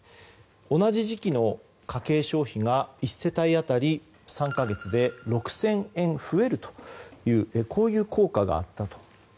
同じ時期の家計消費が１世帯当たり３か月で６０００円増えるとこういう効果があったと。